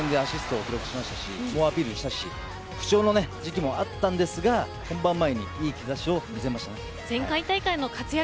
先週のカナダ戦でアシストを記録しましたし猛アピールしましたし不調の時期もあったんですが本番前にいい兆しを見せました。